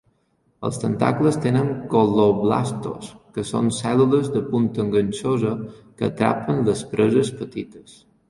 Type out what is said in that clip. Els tentacles tenen col·loblastos, que són cèl·lules de punta enganxosa que atrapen les preses petites.